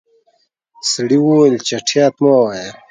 سړی وويل چټياټ مه وايه.